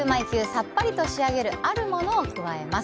さっぱりと仕上げるあるものを加えます。